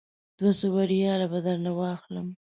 دوه سوه ریاله به درنه واخلم.